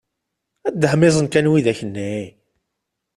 Dehmiẓen kan widak nni!